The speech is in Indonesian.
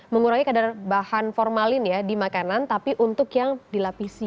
mengurangi kadar bahan formalin ya di makanan tapi untuk yang dilapisi